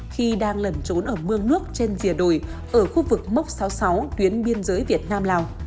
khi đang lẩn trốn ở mương nước trên rìa đồi ở khu vực mốc sáu mươi sáu tuyến biên giới việt nam lào